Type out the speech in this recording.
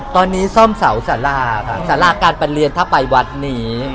ตอนนี้ซ่อมเสาสาราค่ะสาราการประเรียนถ้าไปวัดนี้